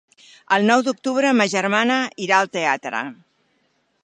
El nou d'octubre ma germana irà al teatre.